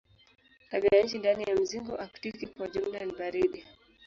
Tabianchi ndani ya mzingo aktiki kwa jumla ni baridi.